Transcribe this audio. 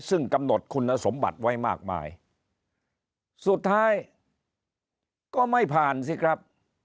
ซึ่งกำหนดคุณสมบัติไว้มากมายสุดท้ายก็ไม่ผ่านสิครับ